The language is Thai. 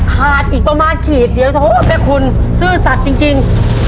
อีกประมาณขีดเดียวโทษแม่คุณซื่อสัตว์จริง